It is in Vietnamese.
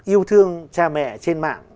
yêu thương cha mẹ trên mạng